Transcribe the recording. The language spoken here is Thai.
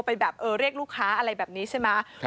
ไปแบบเรียกลูกค้าอะไรแบบนี้ใช่ไหม